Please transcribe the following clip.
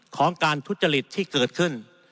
ของการทุจริตที่เกิดขึ้น